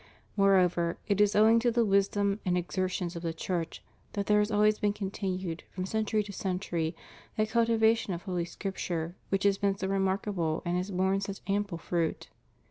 Moreover, it is o"wdng to the wisdom and exertions of the Church that there has always been continued, from century to century, that cultivation of Holy Scripture which has been so remarkable and has borne such ample fruit.